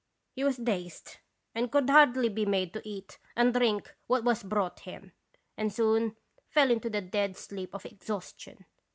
"He was dazed and could hardly be made to eat and drink what was brought him, and soon fell into the dead sleep of exhaustion.